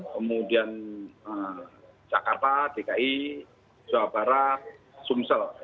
kemudian jakarta dki suwabara sumsel